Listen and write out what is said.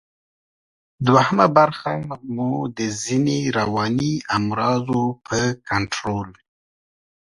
دوهمه برخه مو د ځینو رواني امراضو په کنټرول